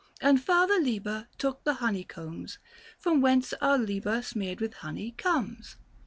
And Father Liber took the honeycombs, From whence our Liba smeared with honey comes.